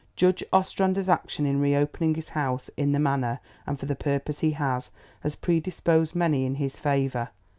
Judge Ostrander's action in reopening his house in the manner and for the purpose he has, has predisposed many in his favour.